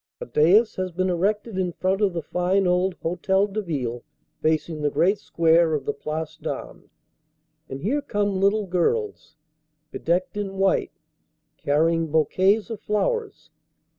A dais has been erected in front of the fine old Hotel de Ville, facing the great square of the Place d Armes, and here come little girls, bedecked in white, carrying bou quets of flowers.